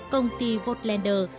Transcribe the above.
công ty votelander